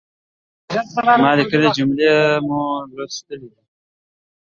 زما ليکلۍ جملې مو ولوستلې؟